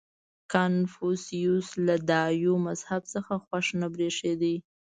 • کنفوسیوس له دایو مذهب څخه خوښ نه برېښېده.